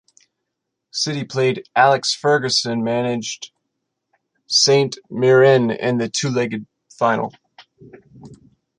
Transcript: City played Alex Ferguson managed Saint Mirren in the two-legged final.